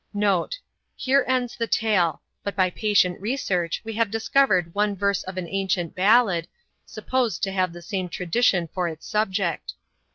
NOTE. Here ends the tale, but by patient research we have discovered one verse of an ancient ballad, supposed to have the same tradition for its subject.